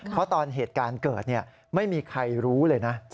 เพราะตอนเหตุการณ์เกิดไม่มีใครรู้เลยนะ